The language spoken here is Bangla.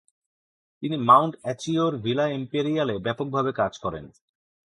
তিনি মাউন্ট অ্যাচিওর ভিলা ইম্পেরিয়ালে ব্যাপকভাবে কাজ করেন।